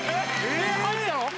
えっ入ったの？